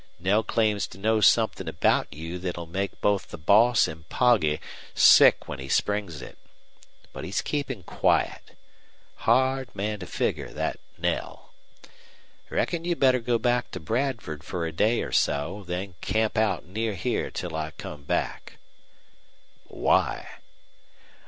Knell claims to know somethin' about you that'll make both the boss an' Poggy sick when he springs it. But he's keepin' quiet. Hard man to figger, thet Knell. Reckon you'd better go back to Bradford fer a day or so, then camp out near here till I come back." "Why?"